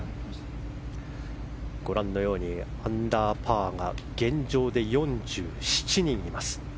ご覧のようにアンダーパーが現状で４７人います。